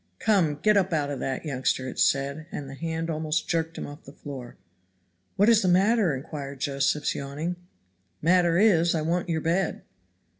"Come, get up out of that, youngster," it said, and the hand almost jerked him off the floor. "What is the matter?" inquired Josephs yawning. "Matter is, I want your bed."